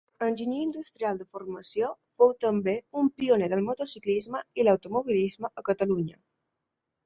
Enginyer industrial de formació, fou també un pioner del motociclisme i l'automobilisme a Catalunya.